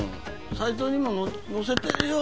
サイトにも載せてるよ